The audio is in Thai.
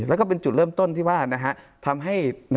แล้วก็เป็นจุดเริ่มต้นที่ว่าทำให้